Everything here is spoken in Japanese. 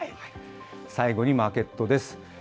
最後にマーケットです。